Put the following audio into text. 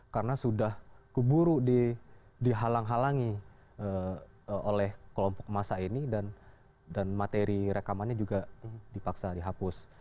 karena sudah keburu dihalang halangi oleh kelompok kemasa ini dan materi rekamannya juga dipaksa dihapus